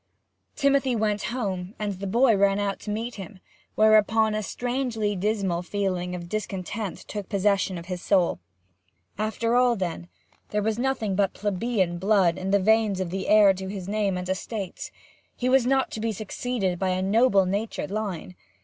Timothy went home, and the boy ran out to meet him; whereupon a strangely dismal feeling of discontent took possession of his soul. After all, then, there was nothing but plebeian blood in the veins of the heir to his name and estates; he was not to be succeeded by a noble natured line.